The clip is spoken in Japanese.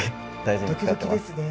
ドキドキですね。